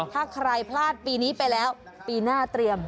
ถ้าใครพลาดปีนี้ไปแล้วปีหน้าเตรียม